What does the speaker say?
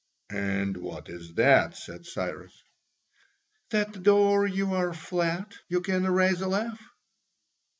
"And what is that?" said Cyrus. "That though you are flat, you can raise a laugh."